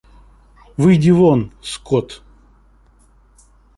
Выйди вон, скот.